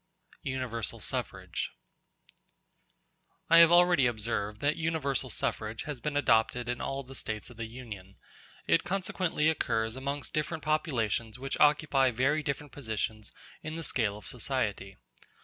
Universal Suffrage I have already observed that universal suffrage has been adopted in all the States of the Union; it consequently occurs amongst different populations which occupy very different positions in the scale of society.